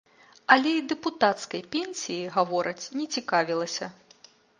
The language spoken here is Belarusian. Але і дэпутацкай пенсіяй, гавораць, не цікавілася.